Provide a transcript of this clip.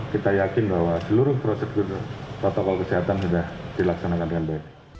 kita yakin bahwa seluruh prosedur protokol kesehatan sudah dilaksanakan dengan baik